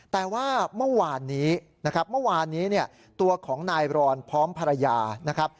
แต่ว่าเมื่อวานนี้ตัวของนายรอนพร้อมภรรยา